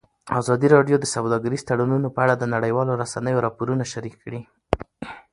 ازادي راډیو د سوداګریز تړونونه په اړه د نړیوالو رسنیو راپورونه شریک کړي.